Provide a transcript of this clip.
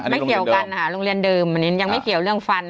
เกี่ยวกันนะคะโรงเรียนเดิมอันนี้ยังไม่เกี่ยวเรื่องฟัน